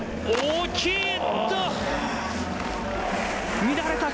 大きい！